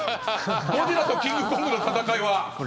ゴジラとキングコングの戦いは？